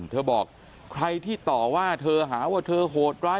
เธอบอกใครที่ต่อว่าเธอหาว่าเธอโหดร้าย